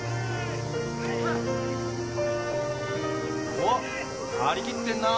おっ張り切ってんな。